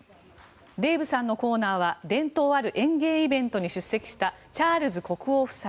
デーブさんのコーナーは伝統ある園芸イベントに出席したチャールズ国王夫妻。